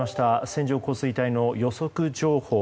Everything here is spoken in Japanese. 線状降水帯の予測情報。